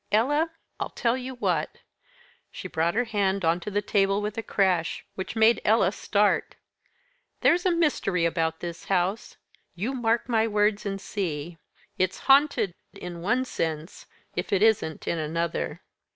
Ella, I'll tell you what!" She brought her hand on to the table with a crash which made Ella start, "There's a mystery about this house you mark my words and see. It's haunted in one sense, if it isn't in another."